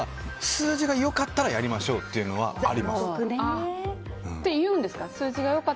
数字が良かったらやりましょうっていうんですか？